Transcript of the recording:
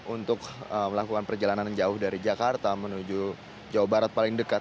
untuk melakukan perjalanan jauh dari jakarta menuju jawa barat paling dekat